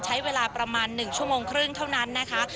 ใช้เวลาประมาณ๑ชั่วโมงครึ่งเท่านั้นนะคะ